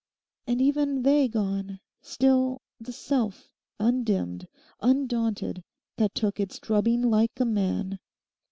And even they gone—still the self undimmed, undaunted, that took its drubbing like a man.